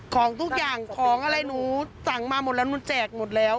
ของทุกอย่างของอะไรหนูสั่งมาหมดแล้วหนูแจกหมดแล้ว